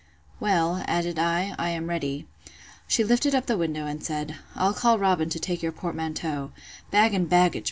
Well, added I, I am ready. She lifted up the window, and said, I'll call Robin to take your portmanteau: Bag and baggage!